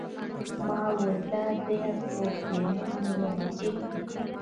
ما وویل: دا بیا څوک دی؟ نوم یې عجیب دی.